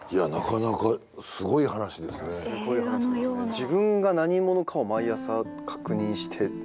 自分が何者かを毎朝確認して。